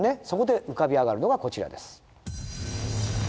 そこで浮かび上がるのがこちらです。